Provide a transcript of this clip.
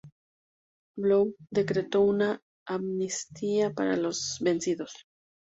Blount decretó una amnistía para los vencidos.